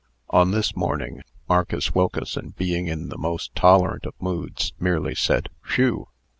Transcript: On this morning, Marcus Wilkeson, being in the most tolerant of moods, merely said "Whew!"